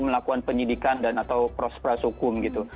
melakukan penyidikan dan atau prospras hukum gitu